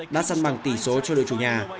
đã săn bằng tỷ số cho đội chủ nhà